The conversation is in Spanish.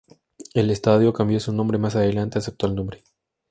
El estadio cambio su nombre más adelante a su actual nombre.